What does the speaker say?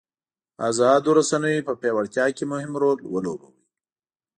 ازادو رسنیو په پیاوړتیا کې مهم رول ولوباوه.